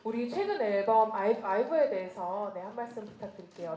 อเรนนี่เราอยากน้องกลับไปเจอกันกับไอฟ์